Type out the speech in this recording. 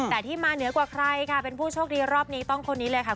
แต่ที่มาเหนือกว่าใครค่ะเป็นผู้โชคดีรอบนี้ต้องคนนี้เลยค่ะ